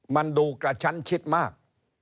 มันดูกระชั้นชิดมาก